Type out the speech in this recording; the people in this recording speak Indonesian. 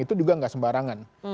itu juga enggak sembarangan